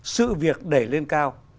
sự việc đẩy lên cao